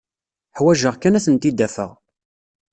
Ḥwajeɣ kan ad tent-id-afeɣ.